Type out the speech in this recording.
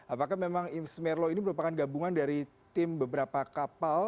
apakah memang im smerlo ini merupakan gabungan dari tim beberapa kapal